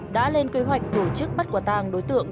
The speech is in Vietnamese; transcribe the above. đã lên kế hoạch tổ chức bắt quả tàng đối tượng